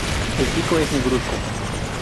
El pico es negruzco.